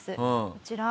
こちら。